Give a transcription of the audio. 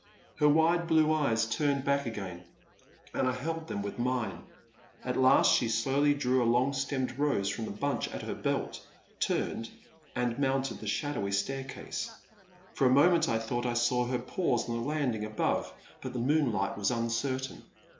Her wide blue eyes turned back again, and I held them with mine. At last she slowly drew a long stemmed rose from the bunch at her belt, turned, and mounted the shadowy staircase. For a moment I thought I saw her pause on the land ing above, but the moonlight was uncertain.